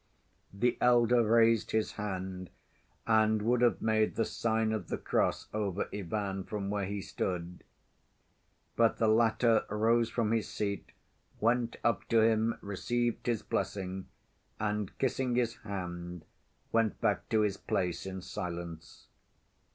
The elder raised his hand and would have made the sign of the cross over Ivan from where he stood. But the latter rose from his seat, went up to him, received his blessing, and kissing his hand went back to his place in silence.